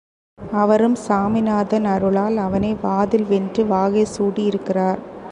அவரும் சாமிநாதன் அருளால் அவனை வாதில் வென்று வாகை சூடியிருக்கிறார்.